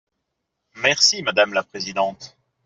Merci, madame la présidente.